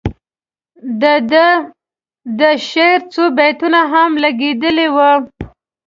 د ده د شعر څو بیتونه هم لګیدلي وو.